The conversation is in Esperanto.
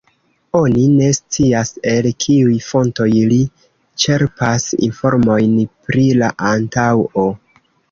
Oni ne scias el kiuj fontoj li ĉerpas informojn pri la antaŭo.